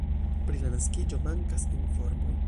Pri la naskiĝo mankas informoj.